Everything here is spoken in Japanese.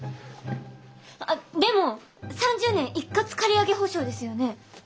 あっでも３０年一括借り上げ保証ですよね？